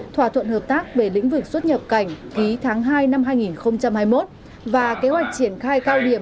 thỏa thuận hợp tác về lĩnh vực xuất nhập cảnh ký tháng hai năm hai nghìn hai mươi một và kế hoạch triển khai cao điểm